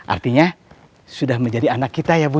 artinya sudah menjadi anak kita ya bu